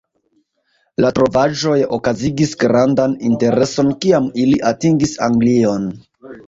La trovaĵoj okazigis grandan intereson kiam ili atingis Anglion.